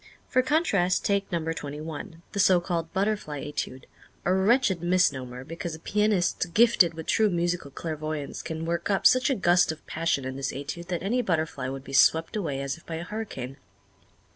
For contrast take number twenty one, the so called "Butterfly Étude" a wretched misnomer, because a pianist gifted with true musical clairvoyance can work up such a gust of passion in this Étude that any butterfly would be swept away as if by a hurricane.